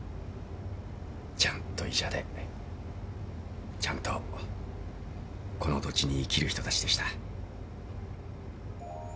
ちゃんと医者でちゃんとこの土地に生きる人たちでした。